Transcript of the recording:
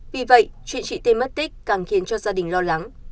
vì vậy chị t mất tích càng khiến cho gia đình lo lắng